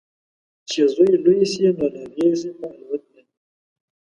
چې زوی لوی شي، نو له غیږې په الوت دی